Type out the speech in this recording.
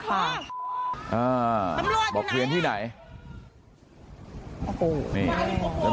อ่าบอกเคี่ยนที่ไหน